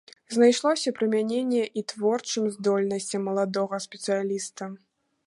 Знайшлося прымяненні і творчым здольнасцям маладога спецыяліста.